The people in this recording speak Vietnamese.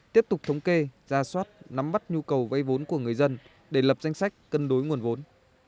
tiếp tục thống kê ra soát nắm bắt nhu cầu vay vốn của người dân để lập danh sách cân đối nguồn vốn